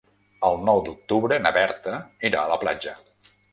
El nou d'octubre na Berta irà a la platja.